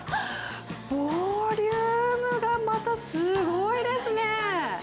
ボリュームがまたすごいですね。